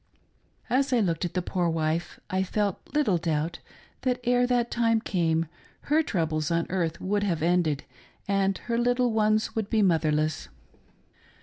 As I looked at the poor wife, I felt little doubt, that ere that time came, her troubles on earth would have ended and her little ones would be motherless.